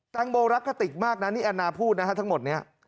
แตงโมรักกะติกมากนะนี่แอนนาพูดนะฮะทั้งหมดนี้